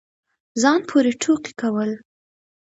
ځان پورې ټوقې كول